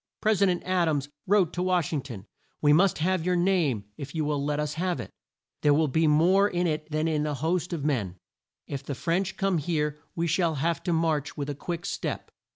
Pres i dent Ad ams wrote to Wash ing ton, "We must have your name, if you will let us have it. There will be more in it than in a host of men! If the French come here we shall have to march with a quick step."